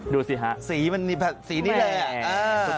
ดูสิฮะแหล่นสีนี้แหล่นอ่ะอืมแหล่น